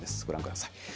ご覧ください。